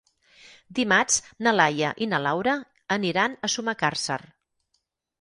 Dimarts na Laia i na Laura aniran a Sumacàrcer.